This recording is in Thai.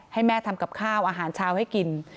ให้แม่ทำกับข้าวอาหารเช้าให้กิน